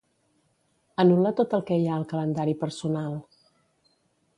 Anul·la tot el que hi ha al calendari personal.